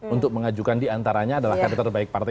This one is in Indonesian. untuk mengajukan diantaranya adalah karakter baik partai